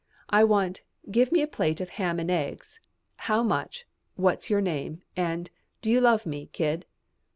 I want 'Give me a plate of ham and eggs. How much? What's your name?' and 'Do you love me, kid?'"